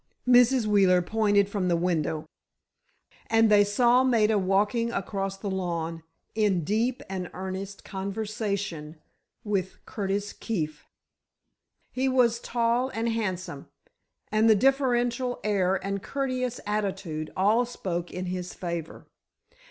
Mrs. Wheeler pointed from the window, and they saw Maida walking across the lawn in deep and earnest conversation with Curtis Keefe. He was tall and handsome and the deferential air and courteous attitude all spoke in his favor.